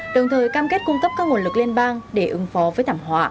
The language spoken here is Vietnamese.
đồng thời cam kết cung cấp các nguồn lực